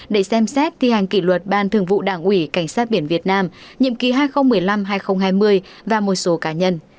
để xem xét thi hành kỷ luật ban thường vụ đảng ủy cảnh sát biển việt nam nhiệm ký hai nghìn một mươi năm hai nghìn hai mươi và một số cá nhân